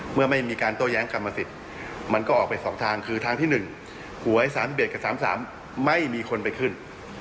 เมื่อไม่มีการโต้แย้งกรรมสิทธิ์มันก็ออกไป๒ทางคือทางที่๑หวย๓๑กับ๓๓ไม่มีคนไปขึ้น